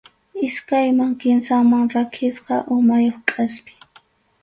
Iskayman kimsaman rakisqa umayuq kʼaspi.